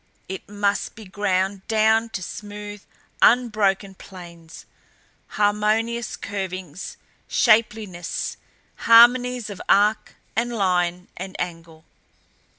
It must be ground down to smooth unbroken planes, harmonious curvings, shapeliness harmonies of arc and line and angle!